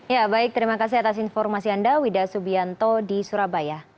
ya baik terima kasih atas informasi anda wida subianto di surabaya